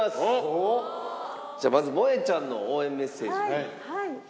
じゃあまずもえちゃんの応援メッセージ。